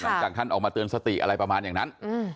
หลังจากท่านออกมาเตือนสติอะไรประมาณอย่างนั้น